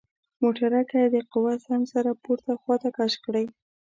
موټرګی د قوه سنج سره پورته خواته کش کړئ.